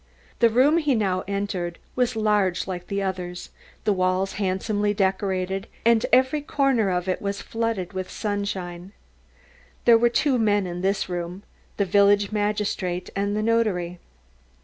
The room he now entered was large like the others, the walls handsomely decorated, and every corner of it was flooded with sunshine. There were two men in this room, the village magistrate and the notary.